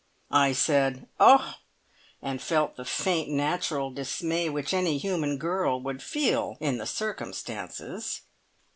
I said, "Oh!" and felt the faint, natural dismay which any human girl would feel in the circumstances.